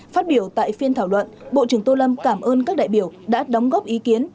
phát biểu tại phiên thảo luận bộ trưởng tô lâm cảm ơn các đại biểu đã đóng góp ý kiến